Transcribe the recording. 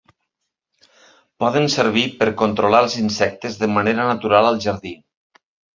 Poden servir per controlar els insectes de manera natural al jardí.